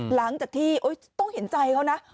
หลังจากที่ต้องเห็นใจเขานะ